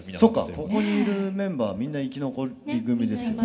ここにいるメンバーみんな生き残り組ですよね。